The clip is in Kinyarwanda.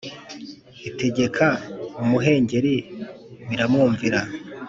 Itegeka umuhengeri biramwumvira